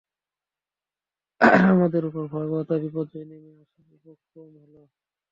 আর আমাদের উপর ভয়াবহ বিপর্যয় নেমে আসার উপক্রম হল।